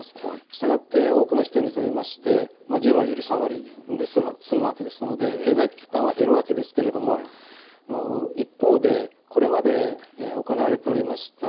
従って多くの人にとりまして１０割より３割で済むわけですので経済的負担は減るわけですけれども一方でこれまで行われておりました